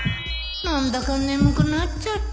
何だか眠くなっちゃった